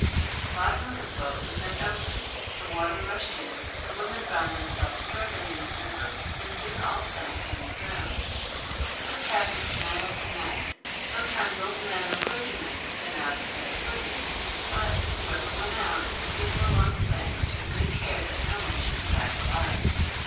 The bottom of the boat then opened, the water rushed in, the women found themselves struggling in the river, and soon all sank and were drowned. This happened one night after another ; sometimes old men or clergymen were sent out instead of women ; but whoever went out, the people along the banks took good care that no one should come back alive.